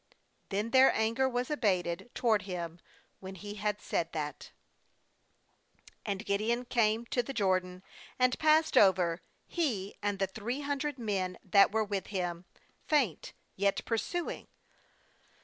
Then their anger was abated toward him, when he had said that. 303 8.4 JUDGES 4And Gideon came to the Jordan, and passed over, he, and the three hundred men that were with him, faint, yet pursuing.